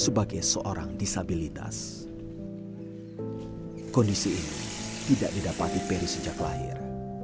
sebagai seorang disabilitas kondisi ini tidak didapati peri sejak lahir